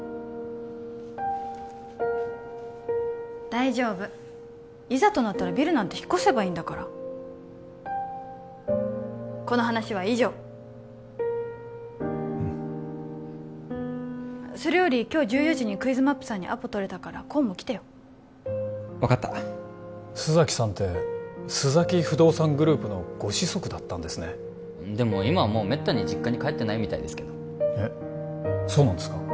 大丈夫いざとなったらビルなんて引っ越せばいいんだからこの話は以上うんそれより今日１４時にクイズマップさんにアポとれたから功も来てよ分かった須崎さんって須崎不動産グループのご子息だったんですねでも今はもうめったに実家に帰ってないみたいですけどえっそうなんですか？